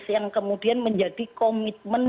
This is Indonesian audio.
yang kemudian menjadi komitmen